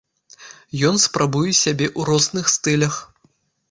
Ён спрабуе сябе ў розных стылях.